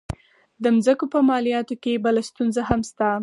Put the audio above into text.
د مځکو په مالیاتو کې بله ستونزه هم شته.